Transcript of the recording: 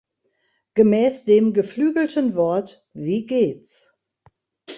Gemäß dem geflügelten Wort „Wie geht’s?